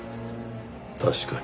確かに。